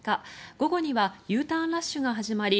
午後にはＵターンラッシュが始まり